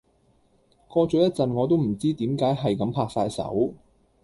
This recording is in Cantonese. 過咗一陣我都唔知點解係咁拍曬手